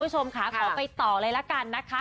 คุณผู้ชมค่ะขอไปต่อเลยละกันนะคะ